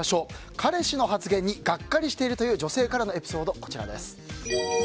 彼氏の発言にガッカリしているという女性からのエピソードです。